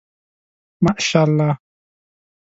ماشاءالله